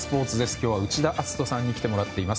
今日は内田篤人さんに来てもらっています。